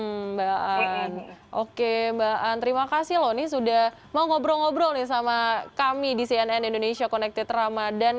mbak an oke mbak an terima kasih loh nih sudah mau ngobrol ngobrol nih sama kami di cnn indonesia connected ramadhan